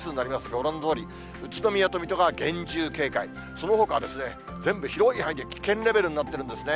ご覧のとおり、宇都宮と水戸が厳重警戒、そのほかは全部広い範囲で危険レベルになってるんですね。